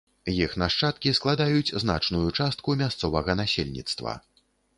Іх нашчадкі складаюць значную частку мясцовага насельніцтва.